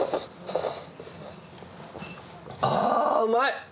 あーうまい！